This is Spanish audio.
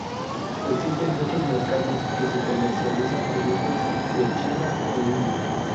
Existen muchos mercados que comercializan productos de China e India.